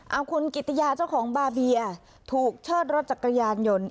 เอาคุณกิติยาเจ้าของบาเบียถูกเชิดรถจักรยานยนต์